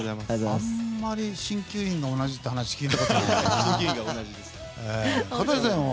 あまり鍼灸院が同じって聞いたことないね。